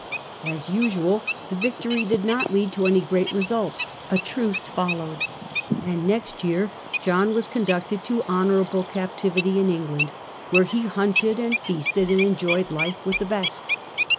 As usual the victory did not 142 THE END OF THE MIDDLE AGE lead to any great results ; a truce followed and next year John was conducted to honourable captivity in England, where he hunted and feasted and enjoyed life with the best.